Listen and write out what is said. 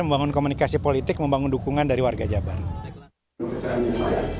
membangun komunikasi politik membangun dukungan dari warga jabar